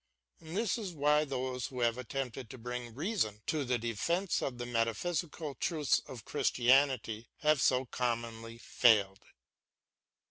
And this is why those who have attempted to bring reason to the defence of the metaphysical truths of Christianity have so commonly failed.